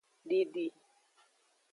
Didi.